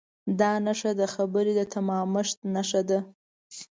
دا نښه د خبرې د تمامښت نښه ده.